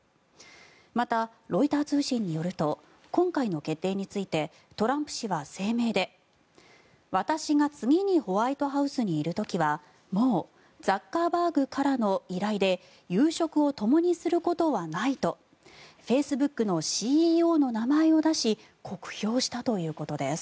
また、ロイター通信によると今回の決定についてトランプ氏は声明で私が次にホワイトハウスにいる時はもうザッカーバーグからの依頼で夕食をともにすることはないとフェイスブックのＣＥＯの名前を出し酷評したということです。